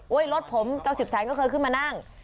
เฮ้ยรถผมเจ้า๑๐แชนก็เคยขึ้นมานั่ง